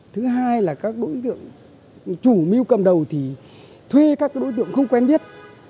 thứ hai là các đối tượng chủ mưu cầm đầu thì thuê các đối tượng không quen biết